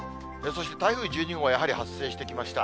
そして台風１２号がやはり発生してきました。